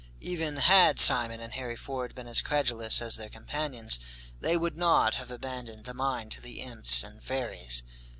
Even had Simon and Harry Ford been as credulous as their companions, they would not have abandoned the mine to the imps and fairies.